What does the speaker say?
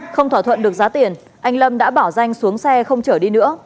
không thỏa thuận được giá tiền anh lâm đã bảo danh xuống xe không chở đi nữa